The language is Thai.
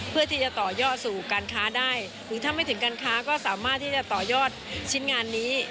เพื่อที่จะต่อยอดสู่การค้าได้หรือถ้าไม่ถึงการค้าก็สามารถที่จะต่อยอดชิ้นงานนี้